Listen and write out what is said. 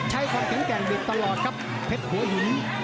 ความแข็งแกร่งบีบตลอดครับเพชรหัวหิน